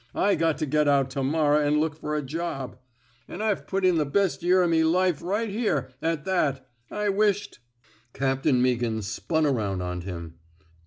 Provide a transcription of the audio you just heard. I got to get out to morrah an' look fer a job. An' I've put in the best year of me life right here, at that. I wisht —" Captain Meaghan spun around on him.